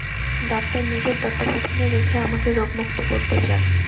Doctor নিজের তত্ত্বাবধানে রেখে আমাকে রোগমুক্ত করতে চান।